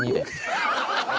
ハハハハ！